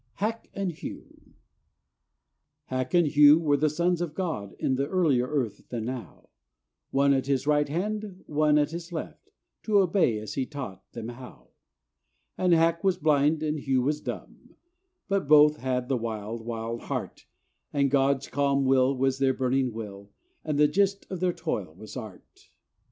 [Signature: Charles G. D. Roberts] HACK AND HEW Hack and Hew were the sons of God In the earlier earth than now; One at his right hand, one at his left, To obey as he taught them how. And Hack was blind and Hew was dumb, But both had the wild, wild heart; And God's calm will was their burning will, And the gist of their toil was art.